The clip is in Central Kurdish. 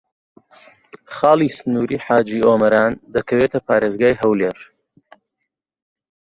خاڵی سنووریی حاجی ئۆمەران دەکەوێتە پارێزگای هەولێر.